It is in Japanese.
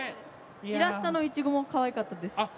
イラストのいちごもかわいかったです。